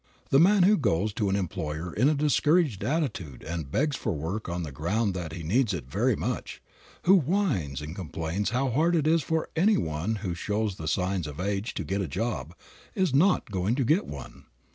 The man who goes to an employer in a discouraged attitude and begs for work on the ground that he needs it very much; who whines and complains how hard it is for any one who shows the signs of age to get a job, is not going to get one.